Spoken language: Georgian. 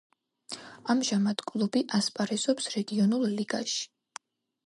ამჟამად კლუბი ასპარეზობს რეგიონულ ლიგაში.